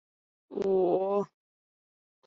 认为自己是一家之主